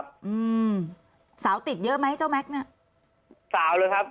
คุณเอกวีสนิทกับเจ้าแม็กซ์แค่ไหนคะ